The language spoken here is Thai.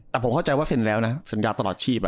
แต่ผมเข้าใจว่าเซ็นแล้วนะสัญญาตลอดชีพ